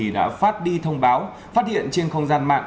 đã phát đi thông báo phát hiện trên không gian mạng